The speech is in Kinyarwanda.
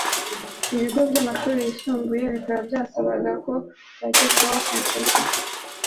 Ibigo byamashuri yisumbuye bikaba byasabaga ko byagezwa computer